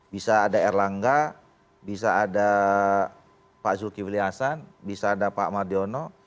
bisa ada erlangga bisa ada pak zulkifli hasan bisa ada pak mardiono